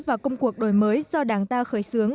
và công cuộc đổi mới do đảng ta khởi xướng